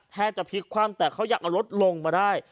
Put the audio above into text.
จะพลิกคว่ำแต่เขายังเอารถลงมาได้